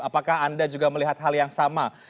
apakah anda juga melihat hal yang sama